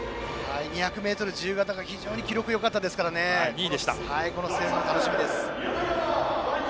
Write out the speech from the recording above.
２００ｍ自由形が非常に記録よかったですから楽しみです。